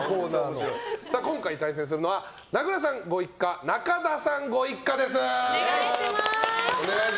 今回対戦するのは名倉さんご一家仲田さんご一家です。